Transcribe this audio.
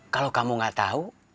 kalau kamu gak tau